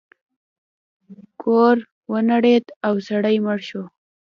کور ونړید او سړی مړ شو.